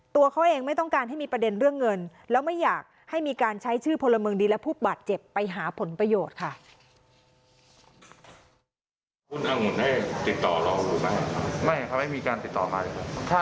ตัวเขาเองไม่ต้องการให้มีประเด็นเรื่องเงินแล้วไม่อยากให้มีการใช้ชื่อพลเมืองดีและผู้บาดเจ็บไปหาผลประโยชน์ค่ะ